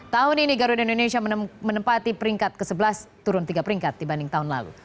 tahun ini garuda indonesia menempati peringkat ke sebelas turun tiga peringkat dibanding tahun lalu